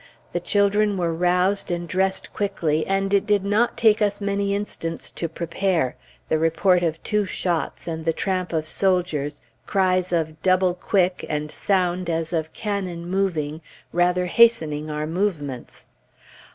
The children were roused and dressed quickly, and it did not take us many instants to prepare, the report of two shots, and the tramp of soldiers, cries of "Double quick," and sound as of cannon moving, rather hastening our movements.